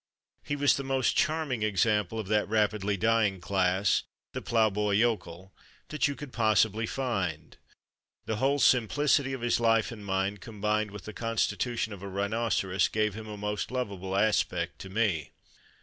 He was the most charming example of that rapidly dying class, the ploughboy yokel, that you could possibly find. The whole simplicity of his life and mind, com bined with the constitution of a rhinoceros, gave him a most lovable aspect to me.